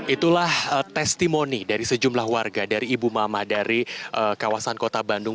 itulah testimoni dari sejumlah warga dari ibu mama dari kawasan kota bandung